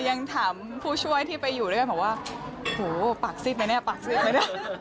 ยังถามผู้ช่วยที่ไปอยู่ด้วยบอกว่าโหปากซิดไหมเนี่ยปากซิดไหมเนี่ย